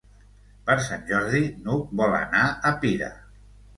Per Sant Jordi n'Hug vol anar a Pira.